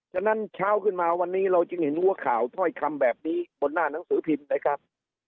ฉะนั้นเช้าขึ้นมาวันนี้เราจึงเห็นหัวข่าวถ้อยคำแบบนี้บนหน้าหนังสือพิมพ์นะครับ